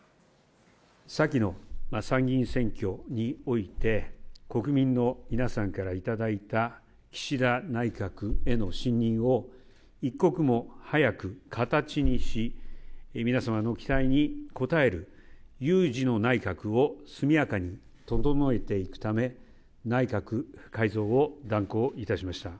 先の参議院選挙において、国民の皆さんからいただいた岸田内閣への信任を、一刻も早く形にし、皆様に期待に応える有事の内閣を速やかに整えていくため、内閣改造を断行いたしました。